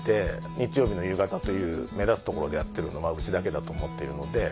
日曜日の夕方という目立つところでやってるのはうちだけだと思っているので。